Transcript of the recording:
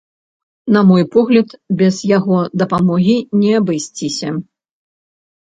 На мой погляд, без яго дапамогі не абысціся.